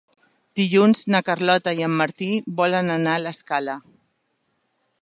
Dilluns na Carlota i en Martí volen anar a l'Escala.